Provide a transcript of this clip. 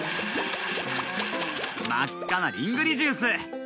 まっかなリングリジュース。